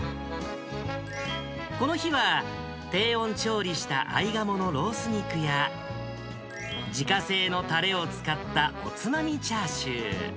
この日は低温調理した合鴨のロース肉や、自家製のたれを使ったおつまみチャーシュー。